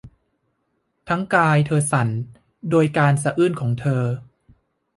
ทั้งกายเธอสั่นโดยการสะอื้นของเธอ